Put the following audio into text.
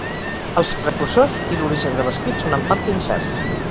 Els precursors i l'origen de l'escrit són en part incerts.